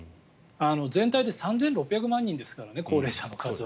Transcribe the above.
全体で３６００万人ですからね高齢者の数は。